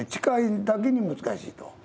近いだけに難しいと。